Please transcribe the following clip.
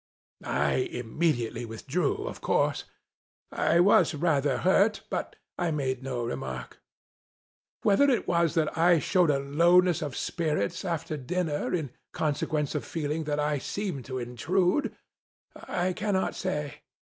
I immediately withdrew, of course. I was rather hurt, but I made no remark. Whether it was that I showed a lowness of spirits after dinner, in consequence of feeling that I seemed to intrude, I cannot say.